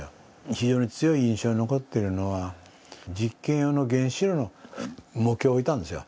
非常に強い印象に残っているのは実験用の原子炉の模型を置いたんですよ。